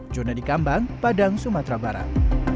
jona di kambang padang sumatera barat